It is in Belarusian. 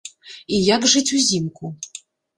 І як жыць узімку.